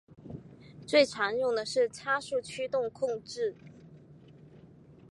最常用的是差速驱动控制。